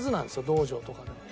道場とかでは。